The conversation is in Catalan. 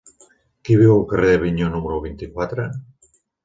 Qui viu al carrer d'Avinyó número vint-i-quatre?